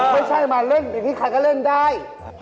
ไม่ใช่มาเล่นอย่างนี้ใครก็เล่นได้